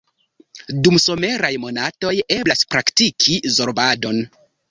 Dum someraj monatoj eblas praktiki zorbadon.